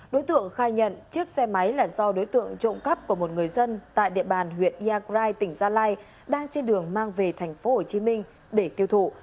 đối tượng khai nhận chiếc xe máy là do đối tượng trộm cắp của một người dân tại địa bàn huyện yagrai tỉnh gia lai đang trên đường mang về thành phố hồ chí minh để tiêu thụ